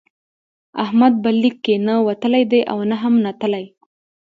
احمد به لیک کې نه وتلی دی او نه هم نتلی.